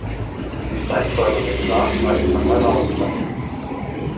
Sein Pseudonym war "Alexander Lauenstein".